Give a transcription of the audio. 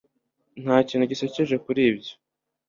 Nta kintu gisekeje kuri ibyo